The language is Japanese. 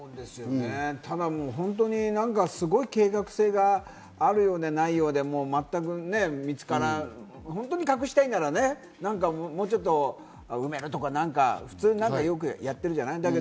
ただ、本当にすごく計画性があるようでないようで、本当に隠したいなら、もうちょっと埋めるとか、普通よくやるじゃない。